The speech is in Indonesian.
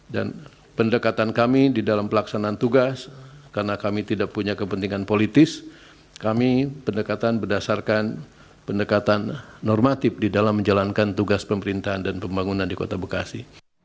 dan pendekatan kami di dalam pelaksanaan tugas karena kami tidak punya kepentingan politis kami pendekatan berdasarkan pendekatan normatif di dalam menjalankan tugas pemerintahan dan pembangunan di kota bekasi